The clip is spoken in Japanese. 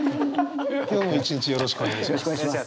今日も一日よろしくお願いします。